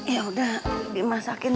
yaudah bibi masakin